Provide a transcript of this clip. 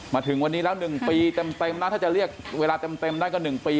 มาถึงวันนี้แล้วหนึ่งปีเต็มเต็มนะถ้าจะเรียกเวลาเต็มเต็มได้ก็หนึ่งปี